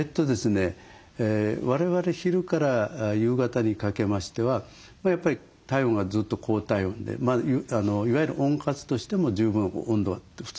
我々昼から夕方にかけましてはやっぱり体温がずっと高体温でいわゆる温活としても十分温度が普通に上がっていく時間帯ですよね。